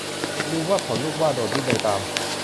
ลิงว่าผลลูกหว้า โดดดิ้นโดยตาม